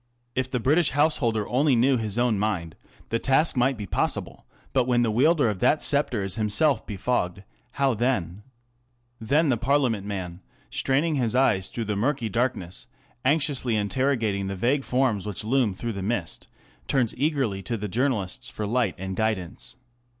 If the British householder only knew his own mind, the task might be possible ; but when that wielder of the sceptre is himself befogged, how then ? Then the Parliament man, straining his eyes through the murky darkness, anxiously interrogating the vague forms which loom through the mist, turns eagerly to the journalists for light and guidance.